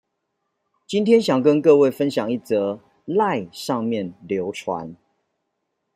今天想跟各位分享一則賴上面流傳